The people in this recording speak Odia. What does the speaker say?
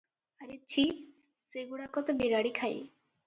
ଆରେ ଛି! ସେ ଗୁଡ଼ାକ ତ ବିରାଡ଼ି ଖାଏ ।